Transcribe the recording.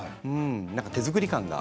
何か手作り感が。